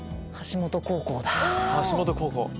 橋本高校だ。